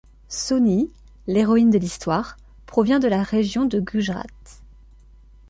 Sohni, l'héroïne de l'histoire, provient de la région de Gujrat.